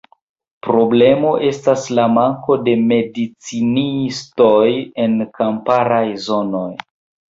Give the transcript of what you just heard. Problemo estas la manko de medicinistoj en kamparaj zonoj.